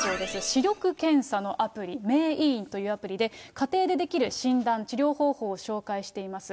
視力検査のアプリ、名医院というアプリで、家庭でできる診断、治療方法を紹介しています。